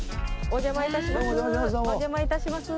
お邪魔致します。